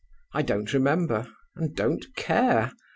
I don't remember, and don't care.